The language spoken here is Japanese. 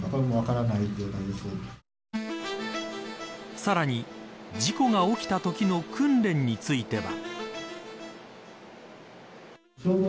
さらに事故が起きたときの訓練については。